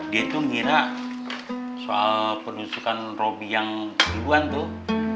dia tuh ngira soal penyusukan robi yang ribuan tuh